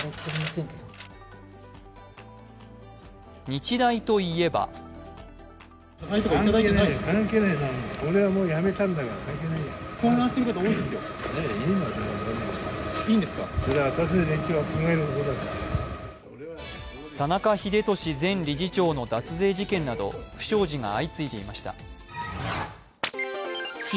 日大といえば田中英寿前理事長の脱税事件など不祥事が相次いでいました。